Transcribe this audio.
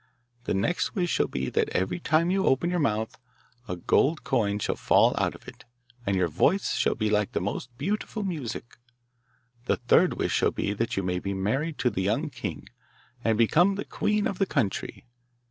The next wish shall be that every time you open your mouth a gold coin shall fall out of it, and your voice shall be like the most beautiful music. The third wish shall be that you may be married to the young king, and become the queen of the country.